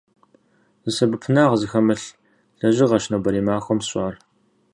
Зы сэбэпынагъ зыхэмылъ лэжьыгъэщ нобэрей махуэм сщӏар.